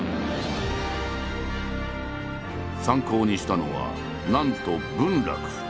参考にしたのはなんと文楽。